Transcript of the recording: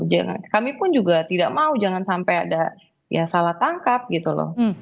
jangan kami pun juga tidak mau jangan sampai ada ya salah tangkap gitu loh